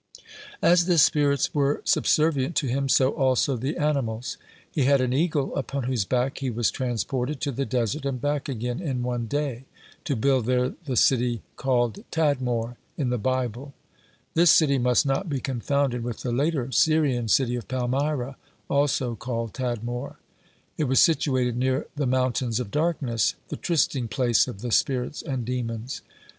(49) As the spirits were subservient to him, so also the animals. He had an eagle upon whose back he was transported to the desert and back again in one day, to build there the city called Tadmor in the Bible (50) This city must not be confounded with the later Syrian city of Palmyra, also called Tadmor. It was situated near the "mountains of darkness," (51) the trysting place of the spirits and demons.